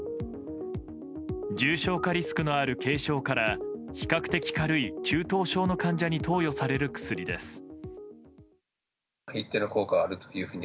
重症化リスクのある軽症から比較的軽い中等症の患者に投与される薬です。